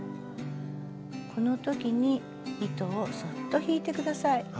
この時に糸をそっと引いて下さい。